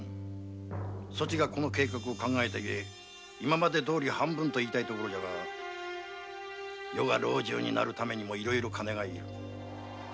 ソチがこの計画を考えた故今までどおり半分といいたい所じゃが余が老中になるためにもいろいろ金が要る。